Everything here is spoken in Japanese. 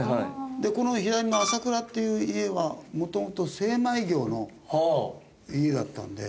この左の朝倉っていう家は元々精米業の家だったんで。